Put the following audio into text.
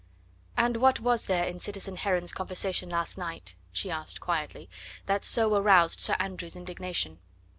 "And what was there in citizen Heron's conversation last night," she asked quietly, "that so aroused Sir Andrew's indignation?"